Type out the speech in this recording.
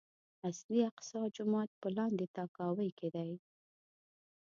اصلي اقصی جومات په لاندې تاكاوۍ کې دی.